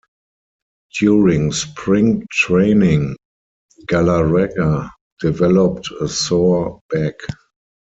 During spring training, Galarraga developed a sore back.